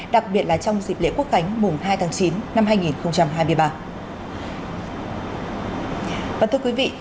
đặc biệt là trong dịp lễ quốc khánh mùng hai tháng chín năm hai nghìn hai mươi ba